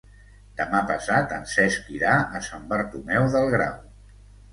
Demà passat en Cesc irà a Sant Bartomeu del Grau.